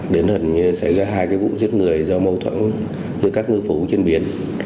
đến hẳn như xảy ra hai cái vụ giết người do mâu thuẫn giữa các ngư phú trên biển